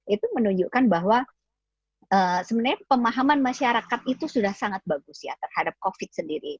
itu menunjukkan bahwa sebenarnya pemahaman masyarakat itu sudah sangat bagus ya terhadap covid sendiri